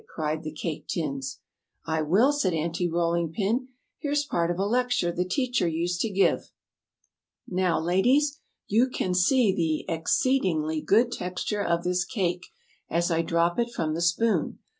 cried the Cake Tins. "I will," said Aunty Rolling Pin; "here's part of a lecture the teacher used to give: [Illustration: "What do you know about cakes?"] "Now, ladies, you can see the ex ceed ing ly good texture of this cake, as I drop it from the spoon.